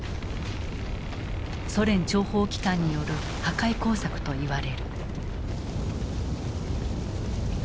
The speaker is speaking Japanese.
ソ連諜報機関による破壊工作と言われる。